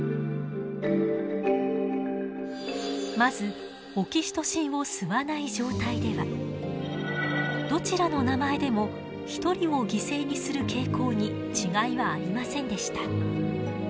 まずオキシトシンを吸わない状態ではどちらの名前でも１人を犠牲にする傾向に違いはありませんでした。